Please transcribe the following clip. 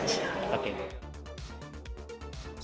saya juga lagi menunjukkan